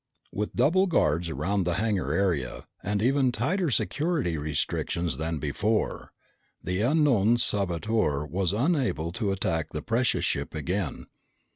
With double guards around the hangar area and even tighter security restrictions than before, the unknown saboteur was unable to attack the precious ship again.